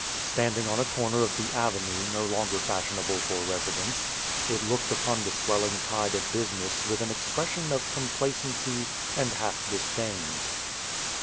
Standing on a corner of the Avenue no longer fashionable for residence, it looked upon the swelling tide of business with an expression of complacency and half disdain.